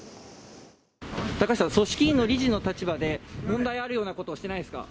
高橋さん、組織委員の理事の立場で、問題あるようなこと、してないですか。